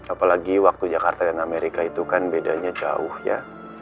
apalagi waktu jakarta dan amerika itu kan bedanya jauh ya